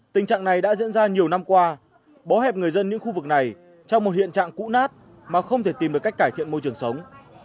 tình trạng này đã diễn ra nhiều năm qua bó hẹp người dân những khu vực này trong một hiện trạng cũ nát mà không thể tìm được cách cải thiện môi trường sống